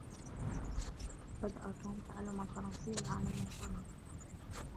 بدء توم تعلم الفرنسية العام المنصرم.